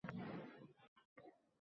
Chunki, barcha balolami dog‘da qoldirib